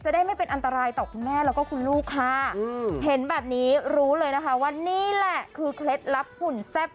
ได้ครับคุณลูกค่ะเห็นแบบนี้รู้เลยนะคะว่านี่แหละคือเคล็ดลับขุนแซ่บ